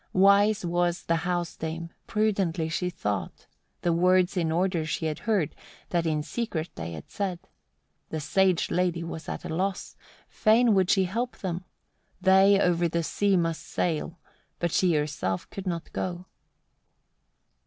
3. Wise was the house dame, prudently she thought; the words in order she had heard, that in secret they had said: the sage lady was at a loss: fain would she help them; they o'er the sea must sail, but she herself could not go.